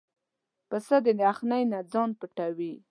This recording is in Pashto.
پسه د یخنۍ نه ځان پټوي.